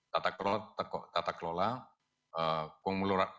tata kelola terintegrasi